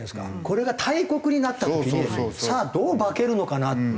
これが大国になった時にさあどう化けるのかなっていう。